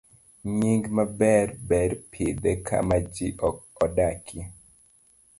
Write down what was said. B. Nying maber. Ber pidhe kama ji ok odakie.